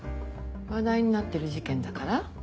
話題になってる事件だから？